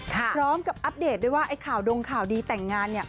พร้อมกับอัปเดตด้วยว่าไอ้ข่าวดงข่าวดีแต่งงาน